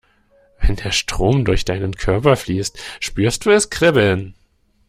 Wenn der Strom durch deinen Körper fließt, spürst du es kribbeln.